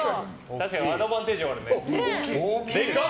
確かにアドバンテージはあるね。